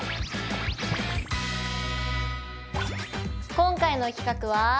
今回の企画は。